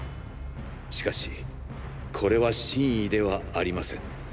しかしこれは真意ではありません。